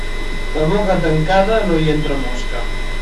A boca tancada no hi entra mosca.